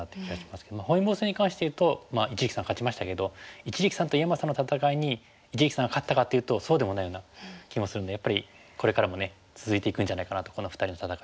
本因坊戦に関していうと一力さん勝ちましたけど一力さんと井山さんの戦いに一力さんが勝ったかというとそうでもないような気もするんでやっぱりこれからも続いていくんじゃないかなとこの２人の戦いは思いますね。